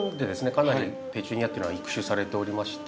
かなりペチュニアっていうのは育種されておりまして。